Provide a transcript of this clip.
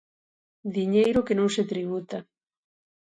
Diñeiro que non se tributa.